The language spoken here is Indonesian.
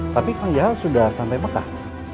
tapi kang jahal sudah sampai pekah